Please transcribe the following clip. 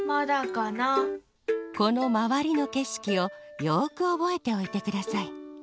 このまわりのけしきをよくおぼえておいてください。